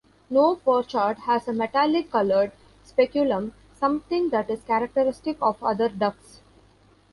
No pochard has a metallic coloured speculum, something that is characteristic of other ducks.